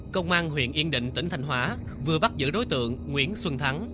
công an huyện yên định tỉnh thanh hóa vừa bắt giữ đối tượng nguyễn xuân thắng